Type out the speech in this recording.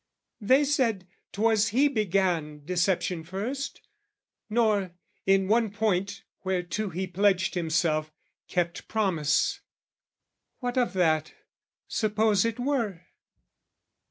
They said 'twas he began deception first, Nor, in one point whereto he pledged himself, Kept promise: what of that, suppose it were?